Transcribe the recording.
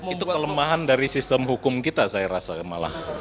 itu kelemahan dari sistem hukum kita saya rasa malah